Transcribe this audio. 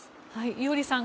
伊従さん